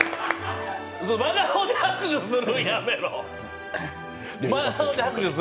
真顔で拍手するのやめろ！